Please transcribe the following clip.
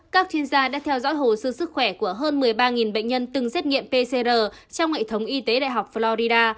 các chuyên gia đã theo dõi hồ sơ sức khỏe của hơn một mươi ba bệnh nhân từng xét nghiệm pcr trong hệ thống y tế đại học florida